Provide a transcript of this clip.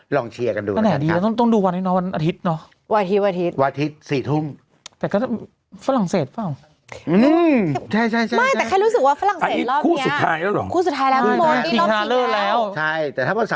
ลองเชียร์กันดูนะครับ